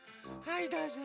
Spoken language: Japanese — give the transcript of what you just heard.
はいどうぞ。